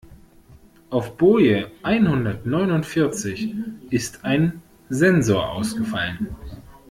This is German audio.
Auf Boje einhundertneunundvierzig ist ein Sensor ausgefallen.